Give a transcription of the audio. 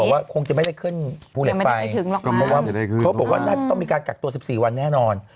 ว่าคงจะไม่ได้ขึ้นภูเหล็กไฟเพราะว่าเขาบอกว่าน่าจะต้องมีการกักตัว๑๔วันแน่นอน